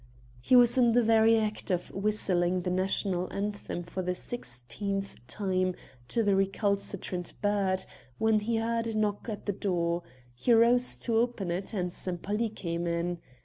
He was in the very act of whistling the national anthem for the sixteenth time to the recalcitrant bird, when he heard a knock at the door; he rose to open it and Sempaly came in.